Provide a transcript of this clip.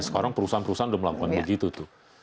sekarang perusahaan perusahaan sudah melakukan begitu tuh